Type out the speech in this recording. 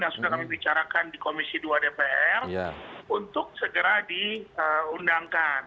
yang sudah kami bicarakan di komisi dua dpr untuk segera diundangkan